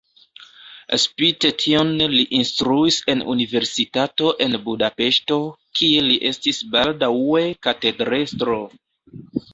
Spite tion li instruis en universitato en Budapeŝto, kie li estis baldaŭe katedrestro.